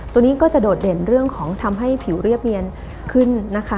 ตัวนี้ก็จะโดดเด่นเรื่องของทำให้ผิวเรียบเนียนขึ้นนะคะ